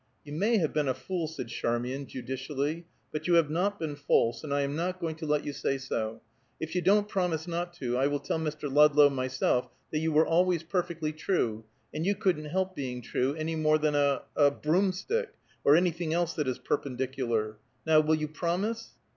"You may have been a fool," said Charmian, judicially, "but you have not been false, and I am not going to let you say so. If you don't promise not to, I will tell Mr. Ludlow myself that you were always perfectly true, and you couldn't help being true, any more than a a broomstick, or anything else that is perpendicular. Now, will you promise?"